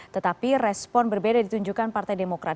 tetapi respon berbeda ditunjukkan partai demokrat